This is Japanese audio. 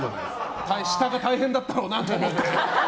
下が大変だったろうなと思って。